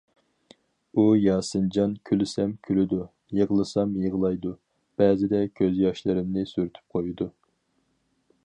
ئۇ: ياسىنجان كۈلسەم كۈلىدۇ، يىغلىسام يىغلايدۇ، بەزىدە كۆز ياشلىرىمنى سۈرتۈپ قويىدۇ.